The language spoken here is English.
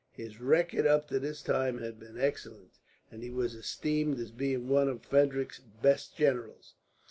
His record up to this time had been excellent, and he was esteemed as being one of Frederick's best generals.